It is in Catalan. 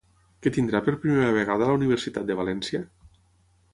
Què tindrà per primera vegada la Universitat de València?